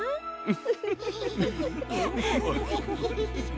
フフフ。